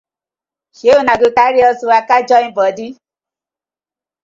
Sey una go karry us waka join bodi.